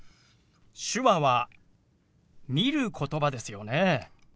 手話は見る言葉ですよね。